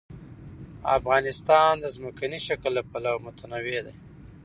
افغانستان د ځمکنی شکل له پلوه متنوع دی.